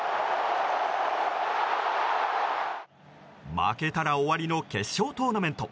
負けたら終わりの決勝トーナメント。